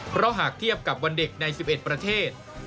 เพราะหากเทียบกับวันเด็กใน๑๑ประเทศ